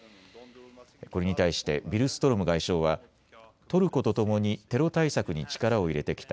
これに対してビルストロム外相はトルコとともにテロ対策に力を入れてきた。